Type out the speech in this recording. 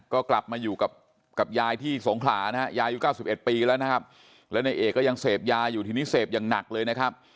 ก็กลับมาอยู่กับยายที่สงขลานะฮะยายุ๙๑ปีแล้วนะครับแล้วในเอกก็ยังเสพยาอยู่ทีนี้เสพอย่างหนักเลยนะครับ